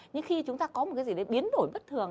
nhưng khi chúng ta có một cái gì đấy biến đổi bất thường